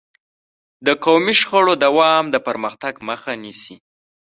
د قومي شخړو دوام د پرمختګ مخه نیسي.